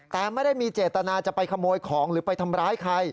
แต่ไม่ได้มีเจตนาจะไปขโมยของหรือไปทำร้ายใคร